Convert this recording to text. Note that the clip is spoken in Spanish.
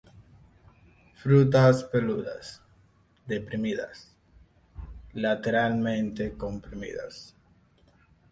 Frutas peludas, deprimidas, lateralmente comprimidas.